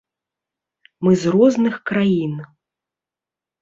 Мы з розных краін.